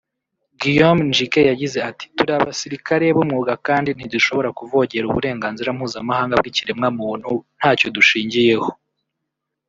Guillaume Ndjike yagize ati “Turi abasirikare b’umwuga kandi ntidushobora kuvogera uburenganzira mpuzamahanga bw’ ikiremwa muntu ntacyo dushingiyeho